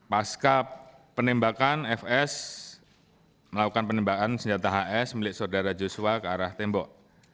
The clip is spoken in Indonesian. pasca penembakan fs melakukan penembakan senjata hs milik saudara joshua ke arah tembok